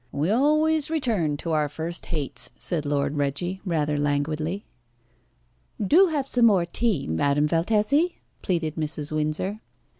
"We always return to our first hates," said Lord Reggie, rather languidly. "Do have some more tea, Madame Valtesi," pleaded Mrs. Windsor.